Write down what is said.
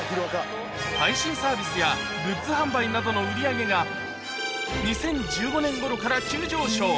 配信サービスやグッズ販売などの売り上げが、２０１５年ごろから急上昇。